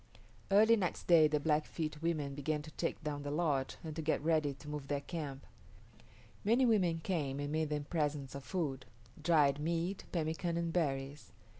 Early next day the Blackfeet women began to take down the lodge and to get ready to move their camp. Many women came and made them presents of food, dried meat, pemican, and berries.